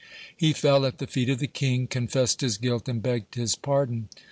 He fell at the feet of the king, confessed his guilt, and begged his pardon.